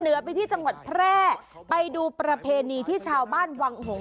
ไปที่จังหวัดแพร่ไปดูประเพณีที่ชาวบ้านวังหง